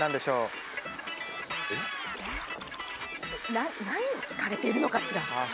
な何を聞かれてるのかしら？